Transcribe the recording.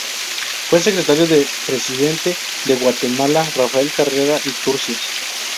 Fue secretario del Presidente de Guatemala Rafael Carrera y Turcios.